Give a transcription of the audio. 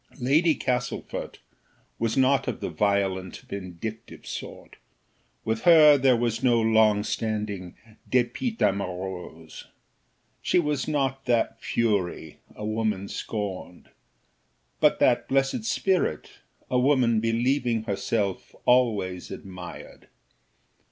Lady Castlefort was not of the violent vindictive sort, with her there was no long lasting dépit amoureux. She was not that fury, a woman scorned, but that blessed spirit, a woman believing herself always admired.